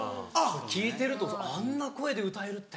聴いてるとあんな声で歌えるって。